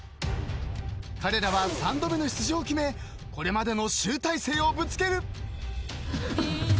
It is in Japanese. ［彼らは３度目の出場を決めこれまでの集大成をぶつける］